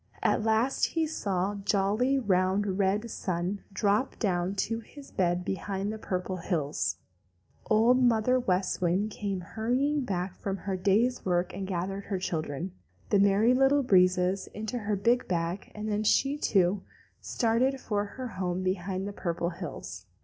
At last he saw jolly, round, red Mr. Sun drop down to his bed behind the Purple Hills. Old Mother West Wind came hurrying back from her day's work and gathered her children, the Merry Little Breezes, into her big bag, and then she, too, started for her home behind the Purple Hills.